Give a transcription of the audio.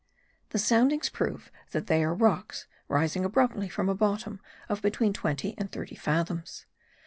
The soundings prove that they are rocks rising abruptly from a bottom of between twenty and thirty fathoms.